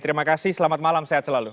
terima kasih selamat malam sehat selalu